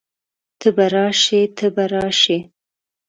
ته به راشئ، ته به راشې